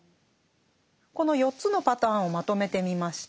この４つのパターンをまとめてみました。